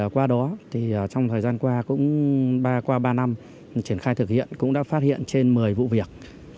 qua đó thì trong thời gian qua cũng qua ba năm triển khai thực hiện cũng đã phát hiện trên một mươi vụ việc